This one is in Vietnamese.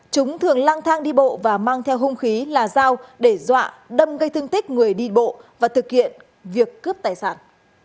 chúng thường lang thang đi bộ và mang theo hung khí là dao để dọa đâm gây thương tích người đi bộ và thực hiện việc cướp tài sản